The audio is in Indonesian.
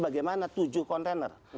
bagaimana tujuh kontainer